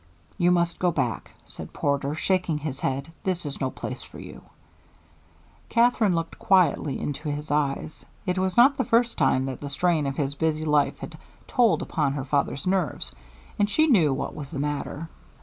"You must go back," said Porter, shaking his head. "This is no place for you." Katherine looked quietly into his eyes. It was not the first time that the strain of his busy life had told upon her father's nerves, and she knew what was the matter.